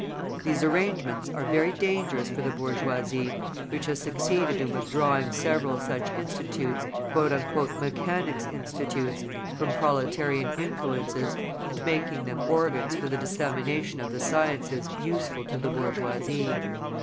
These arrangements are very dangerous for the bourgeoisie, which has succeeded in withdrawing several such institutes, "Mechanics' Institutes," from proletarian influences, and making them organs for the dissemination of the sciences useful to the bourgeoisie.